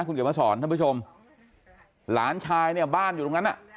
คุณเขียนมาสอนท่านผู้ชมหลานชายเนี่ยบ้านอยู่ตรงนั้นอ่ะ